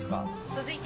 続いて。